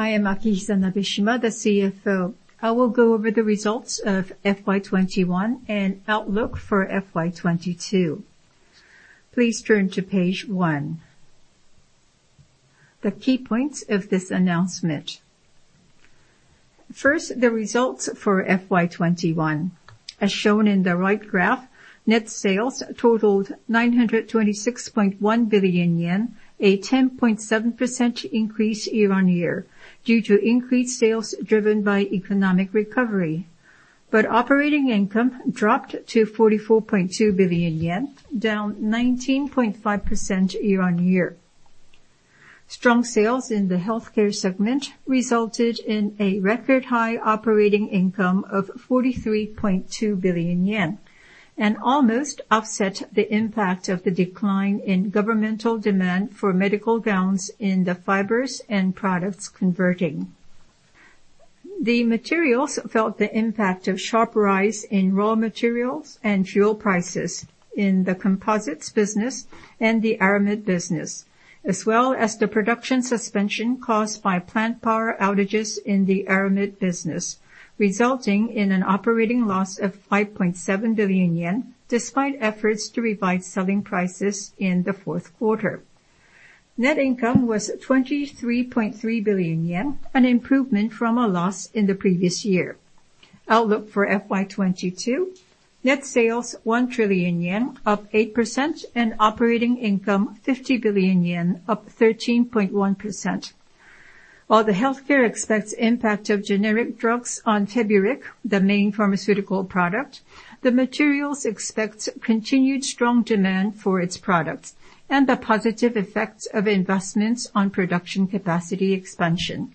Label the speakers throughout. Speaker 1: I am Akihisa Nabeshima, the CFO. I will go over the results of FY 2021 and outlook for FY 2022. Please turn to page one. The key points of this announcement. First, the results for FY 2021. As shown in the right graph, net sales totaled 926.1 billion yen, a 10.7% increase year-on-year due to increased sales driven by economic recovery. Operating income dropped to 44.2 billion yen, down 19.5% year-on-year. Strong sales in the healthcare segment resulted in a record high operating income of 43.2 billion yen, and almost offset the impact of the decline in governmental demand for medical gowns in the fibers & products converting. The Materials felt the impact of sharp rise in raw materials and fuel prices in the composites business and the Aramid business, as well as the production suspension caused by plant power outages in the Aramid business, resulting in an operating loss of 5.7 billion yen despite efforts to revise selling prices in the fourth quarter. Net income was 23.3 billion yen, an improvement from a loss in the previous year. Outlook for FY 2022, net sales 1 trillion yen, up 8%, and operating income 50 billion yen, up 13.1%. While the Healthcare expects impact of generic drugs on Feburic, the main pharmaceutical product, the Materials expects continued strong demand for its products and the positive effects of investments on production capacity expansion.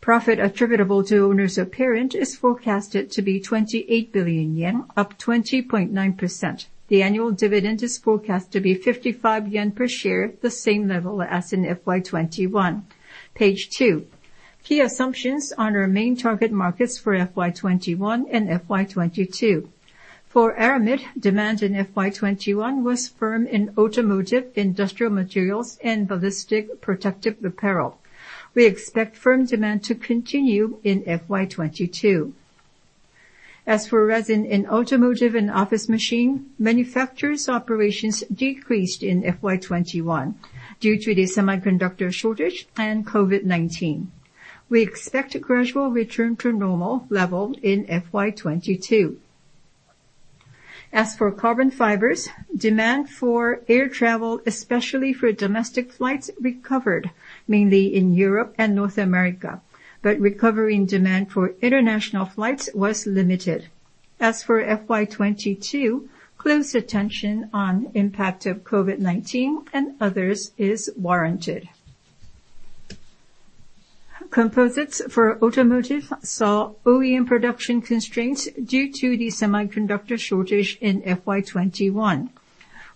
Speaker 1: Profit attributable to owners of parent is forecasted to be 28 billion yen, up 20.9%. The annual dividend is forecast to be 55 yen per share, the same level as in FY 2021. Page two, key assumptions on our main target markets for FY 2021 and FY 2022. For Aramid, demand in FY 2021 was firm in automotive, industrial materials, and ballistic protective apparel. We expect firm demand to continue in FY 2022. As for resin in automotive and office machine, manufacturers' operations decreased in FY 2021 due to the semiconductor shortage and COVID-19. We expect a gradual return to normal level in FY 2022. As for carbon fibers, demand for air travel, especially for domestic flights, recovered mainly in Europe and North America, but recovering demand for international flights was limited. As for FY 2022, close attention on impact of COVID-19 and others is warranted. Composites for automotive saw OEM production constraints due to the semiconductor shortage in FY 2021.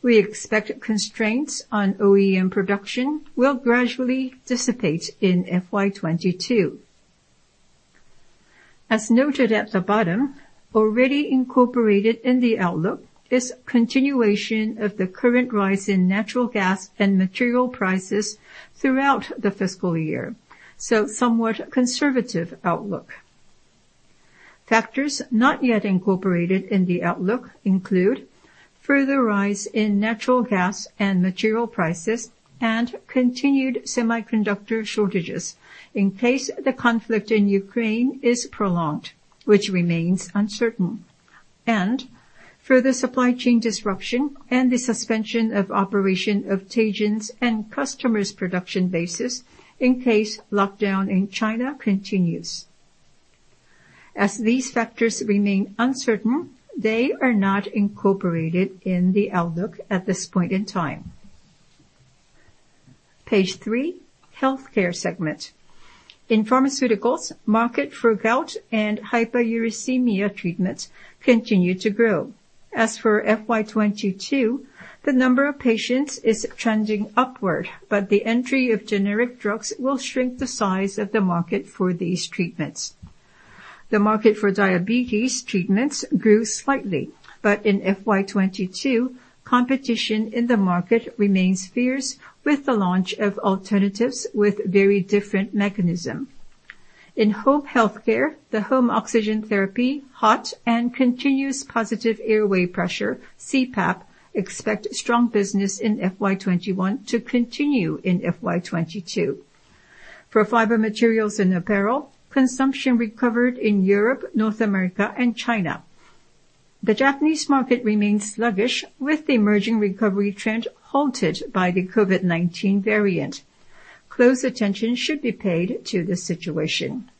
Speaker 1: We expect constraints on OEM production will gradually dissipate in FY 2022. As noted at the bottom, already incorporated in the outlook is continuation of the current rise in natural gas and material prices throughout the fiscal year, so somewhat conservative outlook. Factors not yet incorporated in the outlook include further rise in natural gas and material prices and continued semiconductor shortages in case the conflict in Ukraine is prolonged, which remains uncertain. Further supply chain disruption and the suspension of operation of Teijin's and customers' production bases in case lockdown in China continues. As these factors remain uncertain, they are not incorporated in the outlook at this point in time. Page three, healthcare segment. In pharmaceuticals, market for gout and hyperuricemia treatments continued to grow. As for FY 2022, the number of patients is trending upward, but the entry of generic drugs will shrink the size of the market for these treatments. The market for diabetes treatments grew slightly, but in FY 2022, competition in the market remains fierce with the launch of alternatives with very different mechanism. In home healthcare, the home oxygen therapy, HOT, and continuous positive airway pressure, CPAP, expect strong business in FY 2021 to continue in FY 2022. For fiber materials and apparel, consumption recovered in Europe, North America, and China. The Japanese market remains sluggish with the emerging recovery trend halted by the COVID-19 variant. Close attention should be paid to this situation.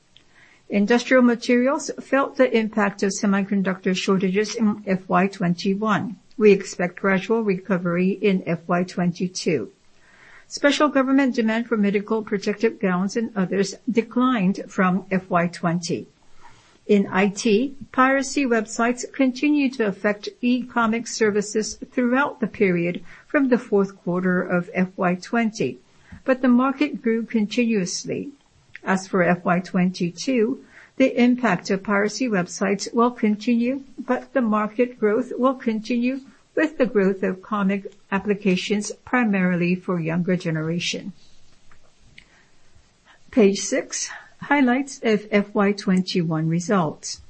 Speaker 1: Industrial materials felt the impact of semiconductor shortages in FY 2021. We expect gradual recovery in FY 2022. Special government demand for medical protective gowns and others declined from FY 2020. In IT, piracy websites continued to affect e-comic services throughout the period from the fourth quarter of FY 2020, but the market grew continuously. As for FY 2022, the impact of piracy websites will continue, but the market growth will continue with the growth of comic applications primarily for younger generation. Page six, highlights of FY 2021 results.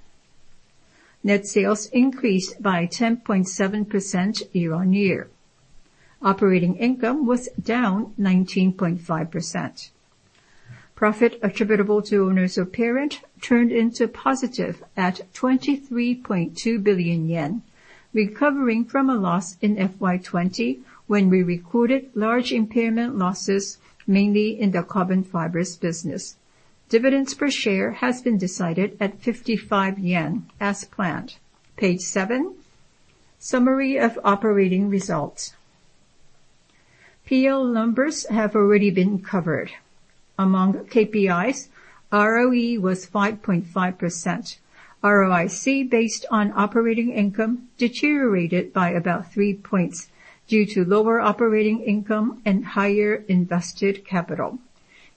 Speaker 1: Net sales increased by 10.7% year-on-year. Operating income was down 19.5%. Profit attributable to owners of parent turned into positive at 23.2 billion yen, recovering from a loss in FY 2020 when we recorded large impairment losses, mainly in the carbon fibers business. Dividends per share has been decided at 55 yen as planned. Page seven, summary of operating results. PL numbers have already been covered. Among KPIs, ROE was 5.5%. ROIC based on operating income deteriorated by about 3 points due to lower operating income and higher invested capital.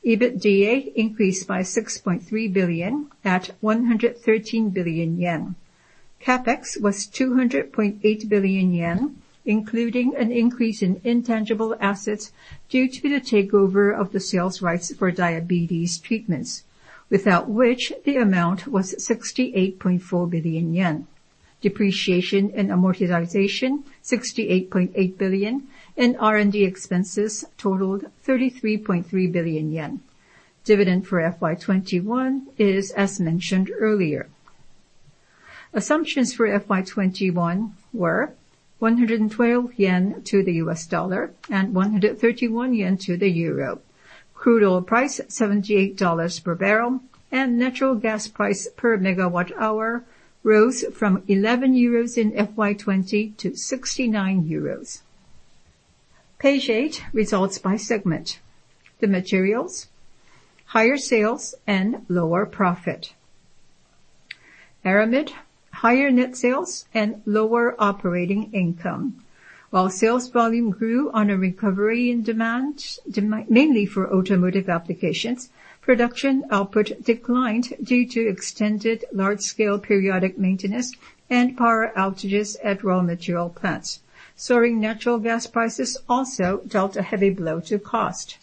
Speaker 1: EBITDA increased by 6.3 billion to 113 billion yen. CapEx was 200.8 billion yen, including an increase in intangible assets due to the takeover of the sales rights for diabetes treatments, without which the amount was 68.4 billion yen. Depreciation and amortization, 68.8 billion, and R&D expenses totaled 33.3 billion yen. Dividend for FY 2021 is, as mentioned earlier. Assumptions for FY 2021 were 112 yen to the U.S. dollar and 131 yen to the euro. Crude oil price $78 per barrel and natural gas price per megawatt-hour rose from 11 euros in FY 2020 to 69 euros. Page eight, results by segment. The materials, higher sales and lower profit. Aramid, higher net sales and lower operating income. Sales volume grew on a recovery in demand mainly for automotive applications. Production output declined due to extended large scale periodic maintenance and power outages at raw material plants. Soaring natural gas prices also dealt a heavy blow to cost.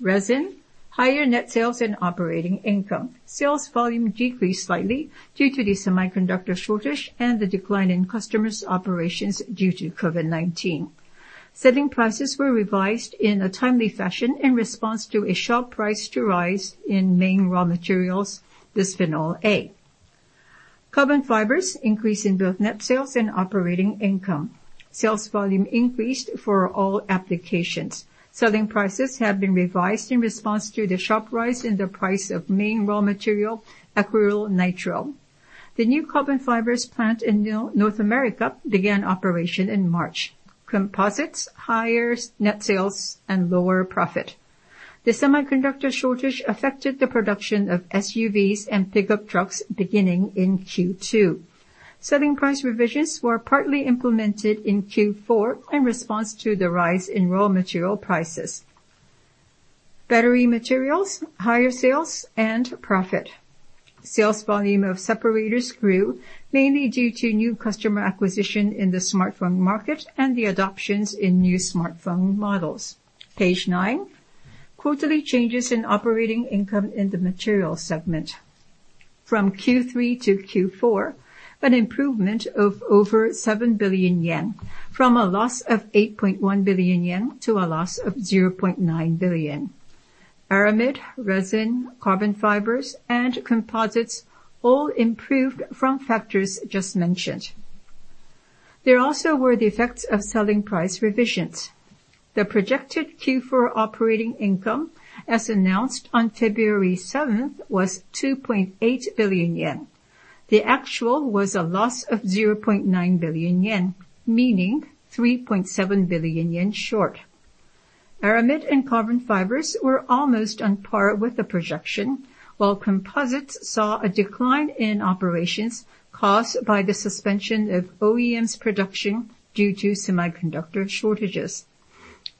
Speaker 1: Resin, higher net sales and operating income. Sales volume decreased slightly due to the semiconductor shortage and the decline in customers' operations due to COVID-19. Selling prices were revised in a timely fashion in response to a sharp rise in price in main raw materials, bisphenol A. Carbon fibers, increase in both net sales and operating income. Sales volume increased for all applications. Selling prices have been revised in response to the sharp rise in the price of main raw material, acrylonitrile. The new carbon fibers plant in North America began operation in March. Composites, higher net sales and lower profit. The semiconductor shortage affected the production of SUVs and pickup trucks beginning in Q2. Selling price revisions were partly implemented in Q4 in response to the rise in raw material prices. Battery materials, higher sales and profit. Sales volume of separators grew, mainly due to new customer acquisition in the smartphone market and the adoptions in new smartphone models. Page nine, quarterly changes in operating income in the material segment. From Q3 to Q4, an improvement of over 7 billion yen from a loss of 8.1 billion yen to a loss of 0.9 billion. Aramid, resin, carbon fibers, and composites all improved from factors just mentioned. There also were the effects of selling price revisions. The projected Q4 operating income, as announced on February 7, was 2.8 billion yen. The actual was a loss of 0.9 billion yen, meaning 3.7 billion yen short. Aramid and carbon fibers were almost on par with the projection, while composites saw a decline in operations caused by the suspension of OEM's production due to semiconductor shortages.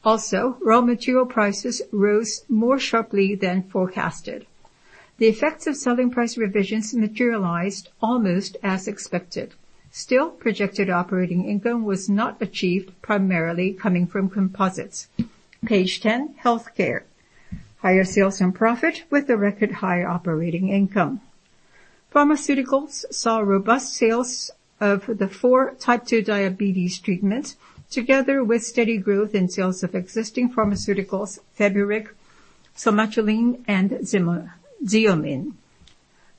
Speaker 1: Also, raw material prices rose more sharply than forecasted. The effects of selling price revisions materialized almost as expected. Still, projected operating income was not achieved, primarily coming from composites. Page ten, healthcare. Higher sales and profit with a record high operating income. Pharmaceuticals saw robust sales of the four type 2 diabetes treatments, together with steady growth in sales of existing pharmaceuticals, Feburic, Somatuline, and Xarelto.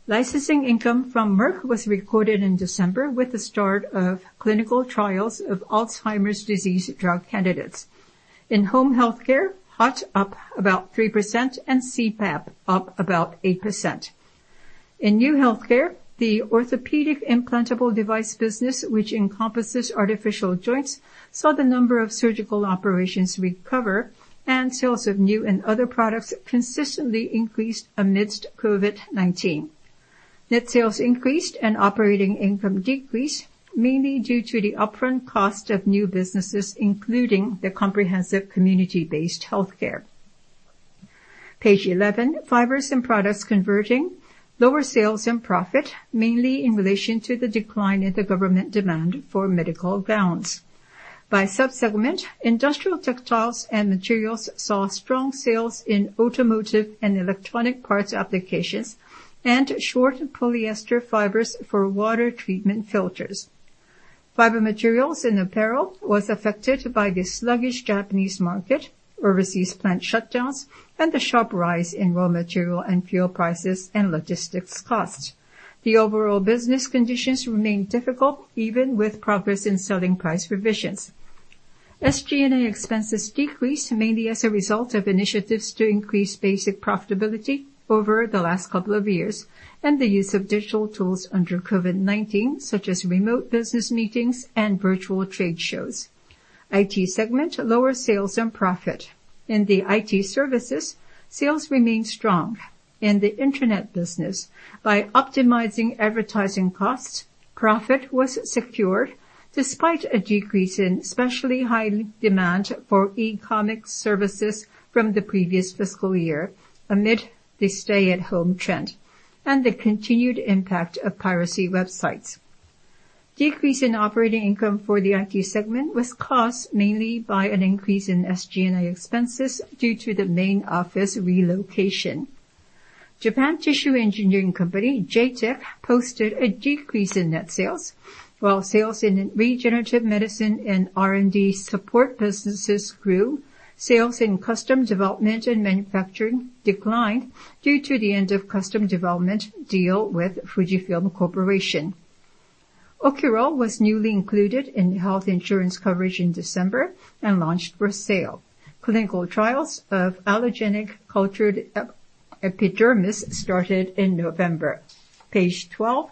Speaker 1: Licensing income from Merck was recorded in December with the start of clinical trials of Alzheimer's disease drug candidates. In home healthcare, HOT up about 3% and CPAP up about 8%. In new healthcare, the orthopedic implantable device business, which encompasses artificial joints, saw the number of surgical operations recover and sales of new and other products consistently increased amidst COVID-19. Net sales increased and operating income decreased, mainly due to the upfront cost of new businesses, including the comprehensive community-based healthcare. Page 11, fibers and products converting. Lower sales and profit, mainly in relation to the decline in the government demand for medical gowns. By subsegment, industrial textiles and materials saw strong sales in automotive and electronic parts applications and short polyester fibers for water treatment filters. Fiber materials and apparel was affected by the sluggish Japanese market, overseas plant shutdowns, and the sharp rise in raw material and fuel prices and logistics costs. The overall business conditions remain difficult even with progress in selling price revisions. SG&A expenses decreased mainly as a result of initiatives to increase basic profitability over the last couple of years and the use of digital tools under COVID-19, such as remote business meetings and virtual trade shows. IT segment, lower sales and profit. In the IT services, sales remained strong. In the internet business, by optimizing advertising costs, profit was secured despite a decrease in especially high demand for e-commerce services from the previous fiscal year amid the stay-at-home trend and the continued impact of piracy websites. Decrease in operating income for the IT segment was caused mainly by an increase in SG&A expenses due to the main office relocation. Japan Tissue Engineering Co, JTEC, posted a decrease in net sales. While sales in regenerative medicine and R&D support businesses grew, sales in custom development and manufacturing declined due to the end of custom development deal with FUJIFILM Corporation. Ocural was newly included in health insurance coverage in December and launched for sale. Clinical trials of allogenic cultured epidermis started in November. Page 12,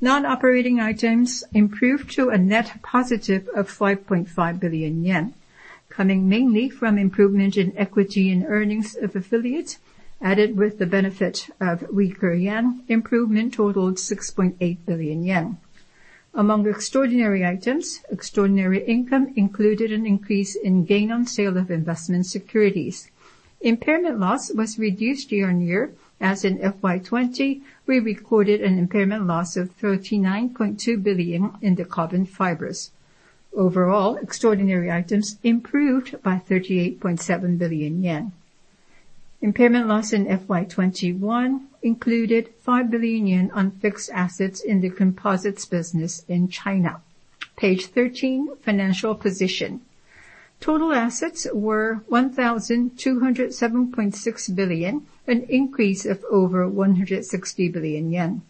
Speaker 1: non-operating items improved to a net positive of 5.5 billion yen, coming mainly from improvement in equity and earnings of affiliates added with the benefit of weaker yen. Improvement totaled 6.8 billion yen. Among extraordinary items, extraordinary income included an increase in gain on sale of investment securities. Impairment loss was reduced year-on-year, as in FY 2020 we recorded an impairment loss of 39.2 billion in the carbon fibers. Overall, extraordinary items improved by 38.7 billion yen. Impairment loss in FY 2021 included 5 billion yen on fixed assets in the composites business in China. Page 13, financial position. Total assets were 1,207.6 billion, an increase of over 160 billion yen.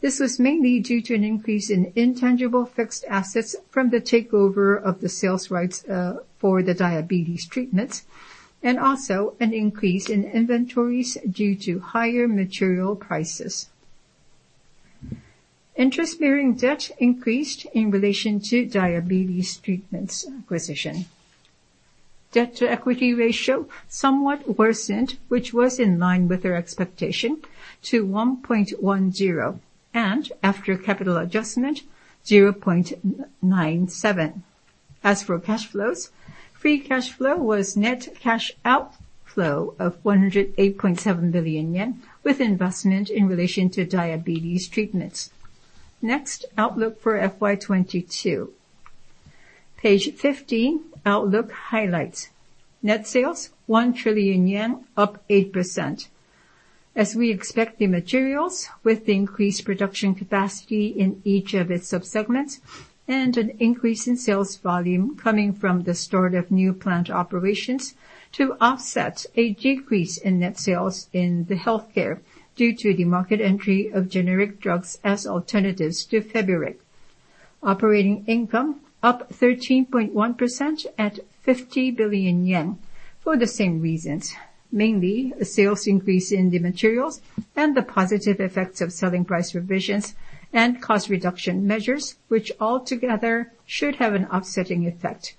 Speaker 1: This was mainly due to an increase in intangible fixed assets from the takeover of the sales rights for the diabetes treatments and also an increase in inventories due to higher material prices. Interest-bearing debt increased in relation to diabetes treatments acquisition. Debt-to-equity ratio somewhat worsened, which was in line with our expectation to 1.10, and after capital adjustment, 0.97. As for cash flows, free cash flow was net cash outflow of 108.7 billion yen with investment in relation to diabetes treatments. Next, outlook for FY 2022. Page 15, outlook highlights. Net sales, 1 trillion yen, up 8%. We expect the materials with increased production capacity in each of its subsegments and an increase in sales volume coming from the start of new plant operations to offset a decrease in net sales in the healthcare due to the market entry of generic drugs as alternatives to Feburic. Operating income up 13.1% at 50 billion yen for the same reasons, mainly a sales increase in the materials and the positive effects of selling price revisions and cost reduction measures, which altogether should have an offsetting effect.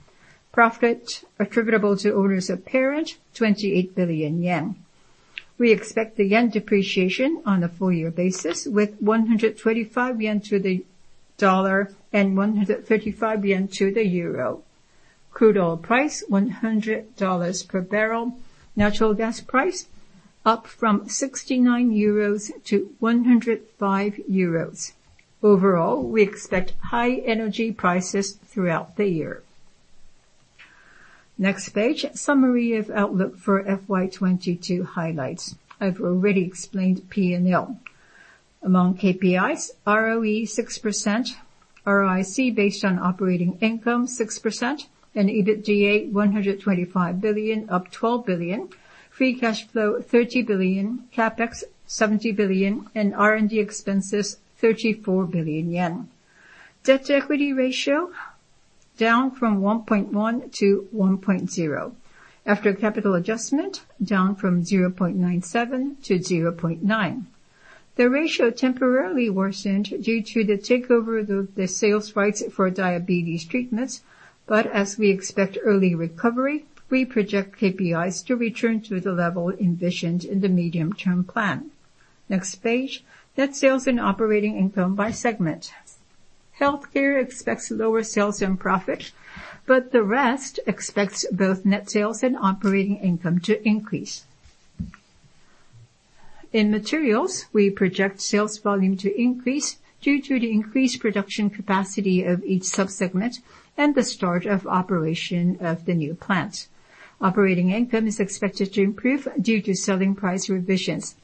Speaker 1: Profit attributable to owners of parent, 28 billion yen. We expect the yen depreciation on a full year basis with 125 yen to the U.S. dollar and 135 yen to the euro. Crude oil price, $100 per barrel. Natural gas price, up from 69 euros to 105 euros. Overall, we expect high energy prices throughout the year. Next page, summary of outlook for FY 2022 highlights. I've already explained P&L. Among KPIs, ROE 6%, ROIC based on operating income 6%, and EBITDA 125 billion, up 12 billion, free cash flow 30 billion, CapEx 70 billion, and R&D expenses 34 billion yen. Debt-to-equity ratio down from 1.1 to 1.0. After capital adjustment, down from 0.97 to 0.9. The ratio temporarily worsened due to the takeover of the sales rights for diabetes treatments. As we expect early recovery, we project KPIs to return to the level envisioned in the medium-term plan. Next page, net sales and operating income by segment. Healthcare expects lower sales and profit, but the rest expects both net sales and operating income to increase. In materials, we project sales volume to increase due to the increased production capacity of each sub-segment and the start of operation of the new plant. Operating income is expected to improve due to selling price revisions.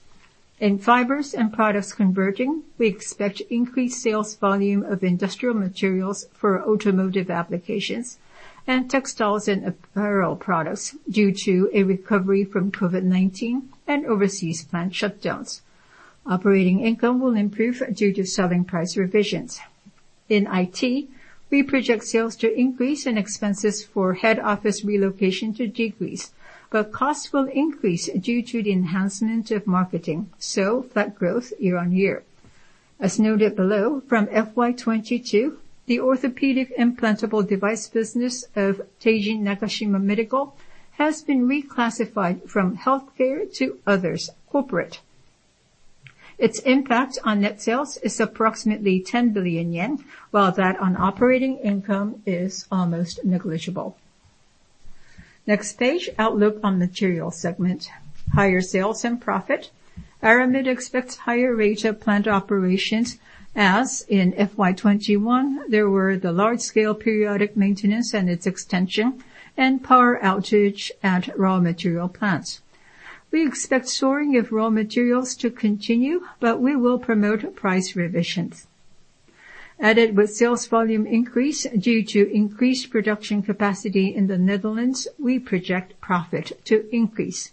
Speaker 1: In fibers and products converting, we expect increased sales volume of industrial materials for automotive applications and textiles and apparel products due to a recovery from COVID-19 and overseas plant shutdowns. Operating income will improve due to selling price revisions. In IT, we project sales to increase and expenses for head office relocation to decrease, but costs will increase due to the enhancement of marketing, so flat growth year-on-year. As noted below, from FY 2022, the orthopedic implantable device business of Teijin Nakashima Medical has been reclassified from healthcare to others, corporate. Its impact on net sales is approximately 10 billion yen, while that on operating income is almost negligible. Next page, outlook on materials segment. Higher sales and profit. Aramid expects higher rate of plant operations, as in FY 2021 there were the large-scale periodic maintenance and its extension and power outage at raw material plants. We expect soaring of raw materials to continue, but we will promote price revisions. Added with sales volume increase due to increased production capacity in the Netherlands, we project profit to increase.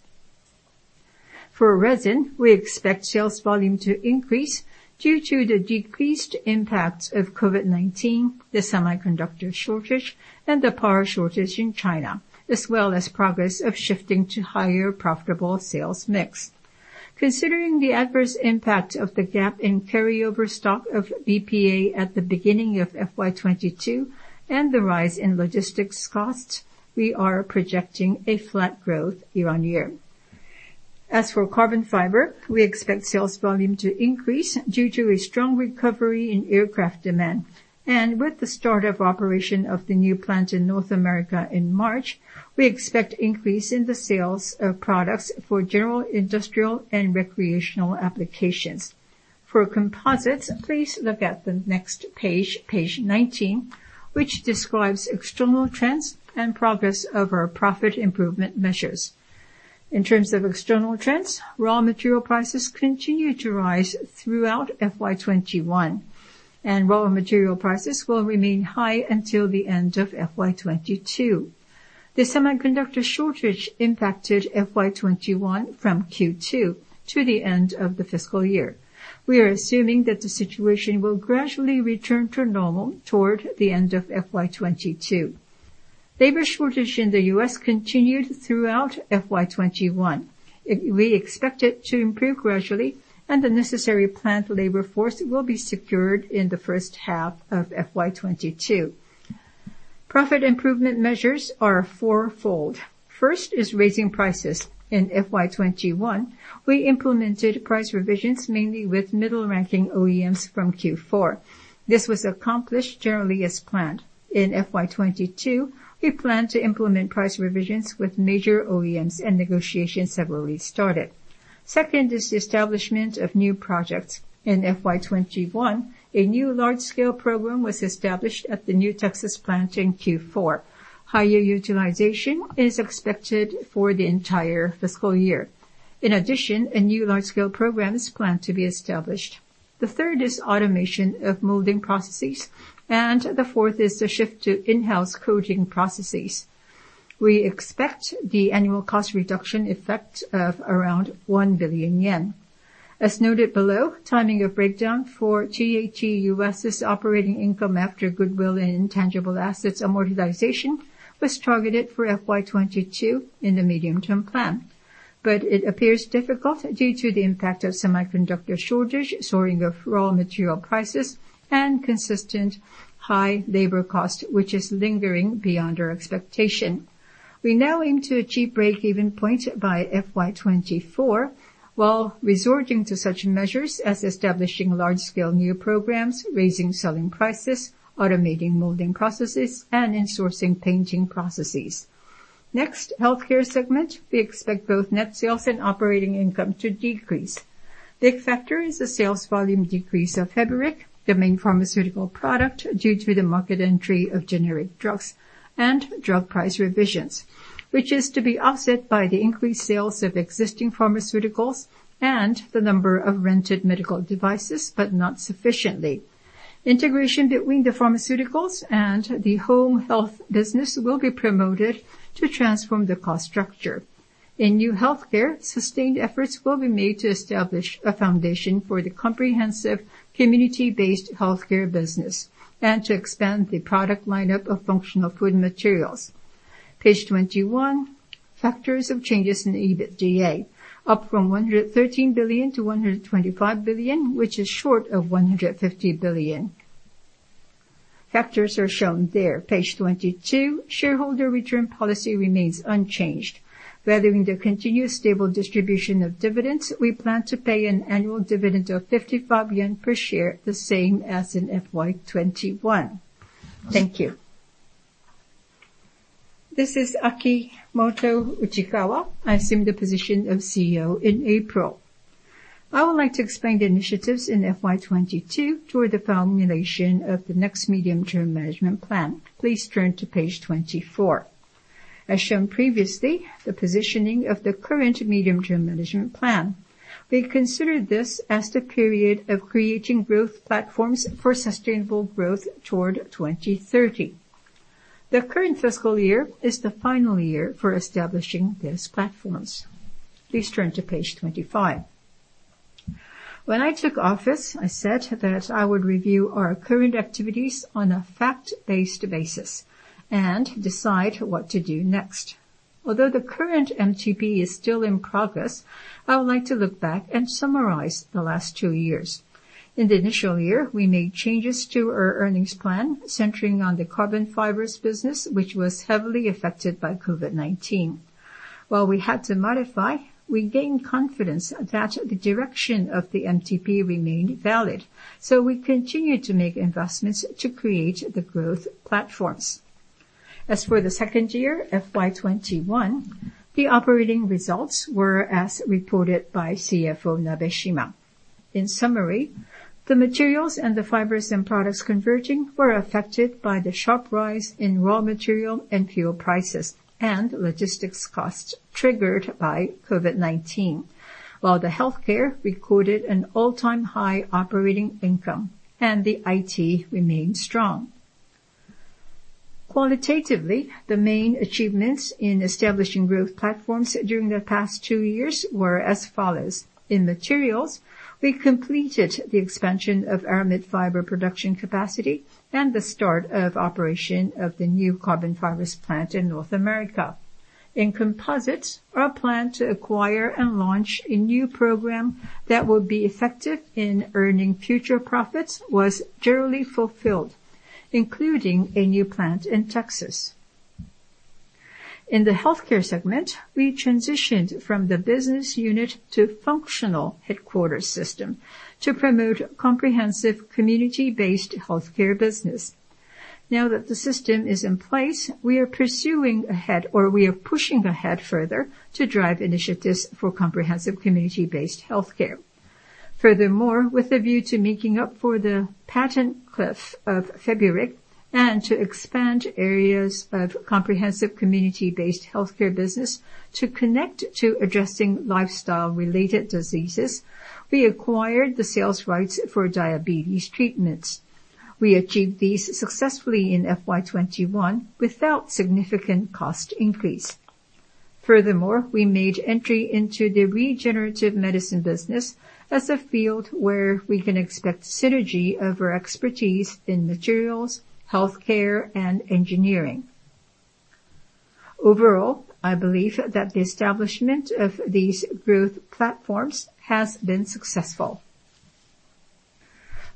Speaker 1: For resin, we expect sales volume to increase due to the decreased impacts of COVID-19, the semiconductor shortage, and the power shortage in China, as well as progress of shifting to higher profitable sales mix. Considering the adverse impact of the gap in carryover stock of BPA at the beginning of FY 2022 and the rise in logistics costs, we are projecting a flat growth year on year. As for carbon fiber, we expect sales volume to increase due to a strong recovery in aircraft demand. With the start of operation of the new plant in North America in March, we expect increase in the sales of products for general industrial and recreational applications. For composites, please look at the next page 19, which describes external trends and progress of our profit improvement measures. In terms of external trends, raw material prices continued to rise throughout FY 2021, and raw material prices will remain high until the end of FY 2022. The semiconductor shortage impacted FY 2021 from Q2 to the end of the fiscal year. We are assuming that the situation will gradually return to normal toward the end of FY 2022. Labor shortage in the US. Continued throughout FY 2021. We expect it to improve gradually, and the necessary plant labor force will be secured in the first half of FY 2022. Profit improvement measures are fourfold. First is raising prices. In FY 2021, we implemented price revisions mainly with middle-ranking OEMs from Q4. This was accomplished generally as planned. In FY 2022, we plan to implement price revisions with major OEMs, and negotiations have already started. Second is the establishment of new projects. In FY 2021, a new large-scale program was established at the new Texas plant in Q4. Higher utilization is expected for the entire fiscal year. In addition, a new large-scale program is planned to be established. The third is automation of molding processes, and the fourth is the shift to in-house coating processes. We expect the annual cost reduction effect of around 1 billion yen. As noted below, timing of breakdown for the U.S.'s operating income after goodwill and intangible assets amortization was targeted for FY 2022 in the medium-term plan, but it appears difficult due to the impact of semiconductor shortage, soaring of raw material prices, and consistent high labor cost, which is lingering beyond our expectation. We now aim to achieve break-even point by FY 2024, while resorting to such measures as establishing large-scale new programs, raising selling prices, automating molding processes, and insourcing painting processes. Next, healthcare segment. We expect both net sales and operating income to decrease. The factor is the sales volume decrease of Feburic, the main pharmaceutical product, due to the market entry of generic drugs and drug price revisions, which is to be offset by the increased sales of existing pharmaceuticals and the number of rented medical devices, but not sufficiently. Integration between the pharmaceuticals and the home health business will be promoted to transform the cost structure. In new healthcare, sustained efforts will be made to establish a foundation for the comprehensive community-based healthcare business and to expand the product lineup of functional food materials. Page 21, factors of changes in EBITDA, up from 113 billion to 125 billion, which is short of 150 billion. Factors are shown there. Page 22, shareholder return policy remains unchanged. Weathering the continued stable distribution of dividends, we plan to pay an annual dividend of 55 yen per share, the same as in FY 2021. Thank you.
Speaker 2: This is Akimoto Uchikawa. I assumed the position of CEO in April. I would like to explain the initiatives in FY 2022 toward the formulation of the next medium-term management plan. Please turn to page 24. As shown previously, the positioning of the current medium-term management plan, we consider this as the period of creating growth platforms for sustainable growth toward 2030. The current fiscal year is the final year for establishing these platforms. Please turn to page 25. When I took office, I said that I would review our current activities on a fact-based basis and decide what to do next. Although the current MTP is still in progress, I would like to look back and summarize the last two years. In the initial year, we made changes to our earnings plan centering on the carbon fibers business, which was heavily affected by COVID-19. While we had to modify, we gained confidence that the direction of the MTP remained valid, so we continued to make investments to create the growth platforms. As for the second year, FY 2021, the operating results were as reported by CFO Nabeshima. In summary, the Materials and the Fibers & Products Converting were affected by the sharp rise in raw material and fuel prices and logistics costs triggered by COVID-19. While the Healthcare recorded an all-time high operating income and the IT remained strong. Qualitatively, the main achievements in establishing growth platforms during the past two years were as follows. In Materials, we completed the expansion of Aramid fiber production capacity and the start of operation of the new carbon fibers plant in North America. In composites, our plan to acquire and launch a new program that will be effective in earning future profits was generally fulfilled, including a new plant in Texas. In the healthcare segment, we transitioned from the business unit to functional headquarters system to promote comprehensive community-based healthcare business. Now that the system is in place, we are pursuing ahead, or we are pushing ahead further to drive initiatives for comprehensive community-based healthcare. Furthermore, with a view to making up for the patent cliff of Feburic and to expand areas of comprehensive community-based healthcare business to connect to addressing lifestyle-related diseases, we acquired the sales rights for diabetes treatments. We achieved these successfully in FY 2021 without significant cost increase. Furthermore, we made entry into the regenerative medicine business as a field where we can expect synergy of our expertise in materials, healthcare, and engineering. Overall, I believe that the establishment of these growth platforms has been successful.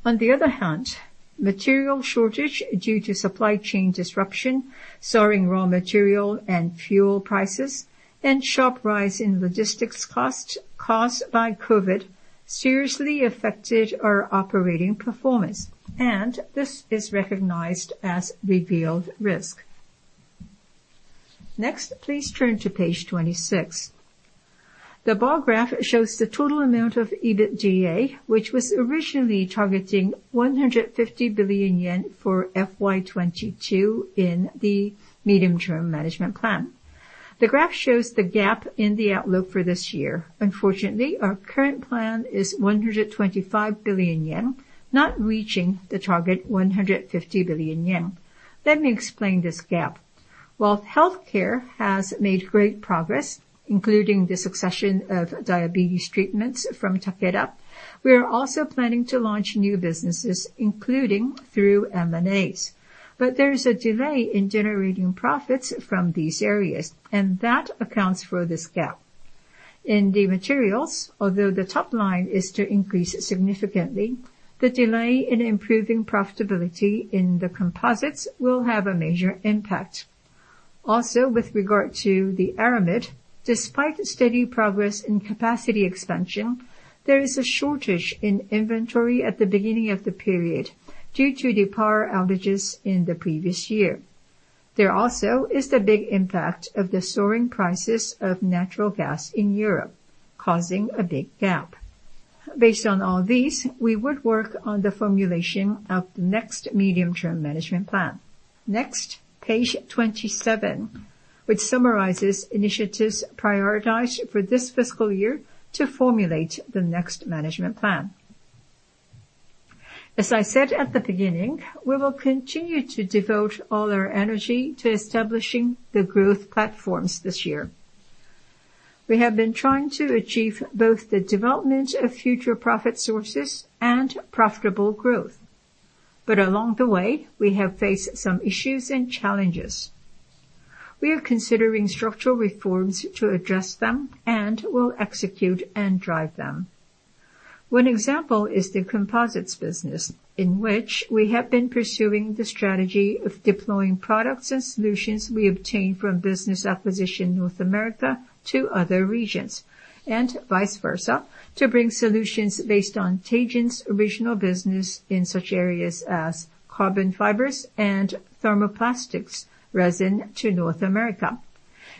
Speaker 2: On the other hand, material shortage due to supply chain disruption, soaring raw material and fuel prices, and sharp rise in logistics costs caused by COVID seriously affected our operating performance, and this is recognized as realized risk. Next, please turn to page 26. The bar graph shows the total amount of EBITDA, which was originally targeting 150 billion yen for FY 2022 in the medium-term management plan. The graph shows the gap in the outlook for this year. Unfortunately, our current plan is 125 billion yen, not reaching the target 150 billion yen. Let me explain this gap. While healthcare has made great progress, including the acquisition of diabetes treatments from Takeda, we are also planning to launch new businesses, including through M&As. There is a delay in generating profits from these areas, and that accounts for this gap. In the materials, although the top line is to increase significantly, the delay in improving profitability in the composites will have a major impact. Also, with regard to the Aramid, despite steady progress in capacity expansion, there is a shortage in inventory at the beginning of the period due to the power outages in the previous year. There also is the big impact of the soaring prices of natural gas in Europe, causing a big gap. Based on all these, we would work on the formulation of the next medium-term management plan. Next, page 27, which summarizes initiatives prioritized for this fiscal year to formulate the next management plan. As I said at the beginning, we will continue to devote all our energy to establishing the growth platforms this year. We have been trying to achieve both the development of future profit sources and profitable growth. Along the way, we have faced some issues and challenges. We are considering structural reforms to address them and will execute and drive them. One example is the composites business, in which we have been pursuing the strategy of deploying products and solutions we obtained from business acquisition North America to other regions, and vice versa, to bring solutions based on Teijin's original business in such areas as carbon fibers and thermoplastics resin to North America.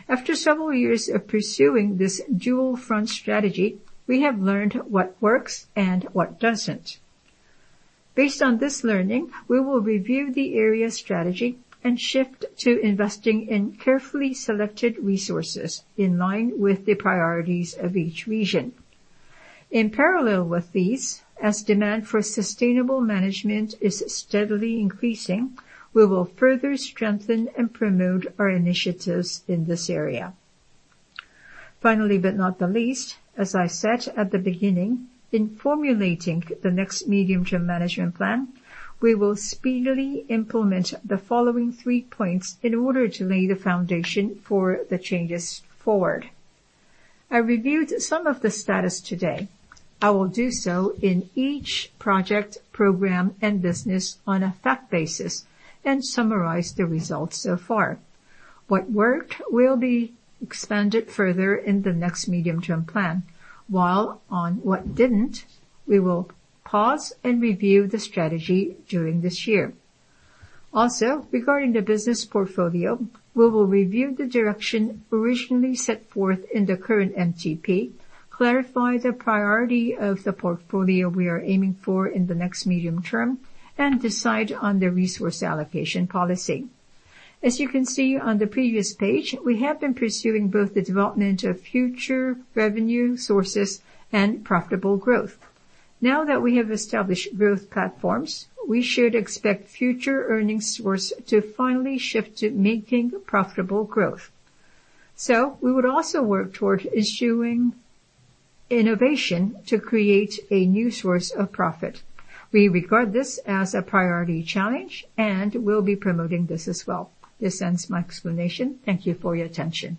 Speaker 2: After several years of pursuing this dual-front strategy, we have learned what works and what doesn't. Based on this learning, we will review the area strategy and shift to investing in carefully selected resources in line with the priorities of each region. In parallel with these, as demand for sustainable management is steadily increasing, we will further strengthen and promote our initiatives in this area. Finally, but not the least, as I said at the beginning, in formulating the next medium-term management plan, we will speedily implement the following three points in order to lay the foundation for the changes forward. I reviewed some of the status today. I will do so in each project, program, and business on a fact basis and summarize the results so far. What worked will be expanded further in the next medium-term plan. While on what didn't, we will pause and review the strategy during this year. Also, regarding the business portfolio, we will review the direction originally set forth in the current MTP, clarify the priority of the portfolio we are aiming for in the next medium-term, and decide on the resource allocation policy. As you can see on the previous page, we have been pursuing both the development of future revenue sources and profitable growth. Now that we have established growth platforms, we should expect future earnings source to finally shift to making profitable growth. We would also work toward pursuing innovation to create a new source of profit. We regard this as a priority challenge, and we'll be promoting this as well. This ends my explanation. Thank you for your attention.